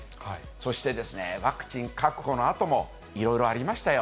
そしてワクチン確保のあとも、いろいろありましたよ。